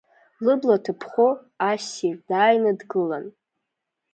Лыбла ҭыԥхо, ассир дааины дгылан.